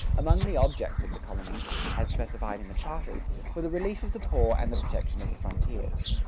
Among the objects of the colony, as specified in the charters, were the relief of the poor and the protection of the frontiers.